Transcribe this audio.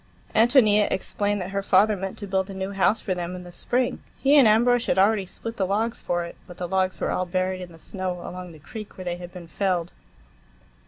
Ántonia explained that her father meant to build a new house for them in the spring; he and Ambrosch had already split the logs for it, but the logs were all buried in the snow, along the creek where they had been felled.